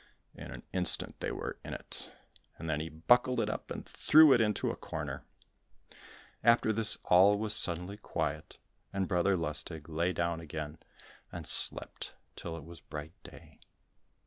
In an instant they were in it, and then he buckled it up and threw it into a corner. After this all was suddenly quiet, and Brother Lustig lay down again, and slept till it was bright day.